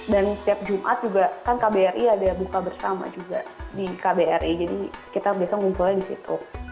dan setiap jumat juga kan kbri ada buka bersama juga di kbri jadi kita biasanya ngumpul di situ